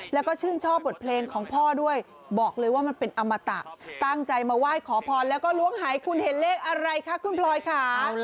แล้วก็ชื่นชอบบทเพลงของพ่อด้วยบอกเลยว่ามันเป็นอมตะตั้งใจมาไหว้ขอพรแล้วก็ล้วงหายคุณเห็นเลขอะไรคะคุณพลอยค่ะ